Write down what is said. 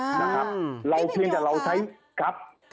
อ้าวพี่เป็นยอกคะค่ะตั้งแต่เราใช้ครับ